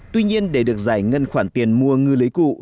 tuy nhiên để được giải ngân khoản tiền mua ngư lưới cụ